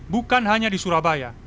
bukan hanya di surabaya